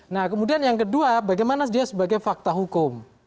nah kemudian yang kedua bagaimana dia sebagai fakta hukum